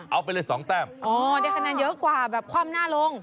เอาไปเลยสองแต้มอ๋อได้คะแนนเยอะกว่าแบบคว่ำหน้าลง